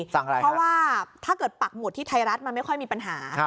เพราะว่าถ้าเกิดปักหมุดที่ไทยรัฐมันไม่ค่อยมีปัญหา